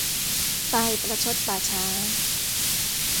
ตายประชดป่าช้า